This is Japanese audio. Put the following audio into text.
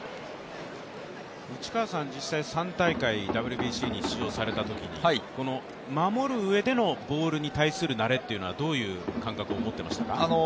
内川さん実際３大会ＷＢＣに出場されたときに守る上でのボールに対する慣れというのは、どういう感覚を持っていましたか？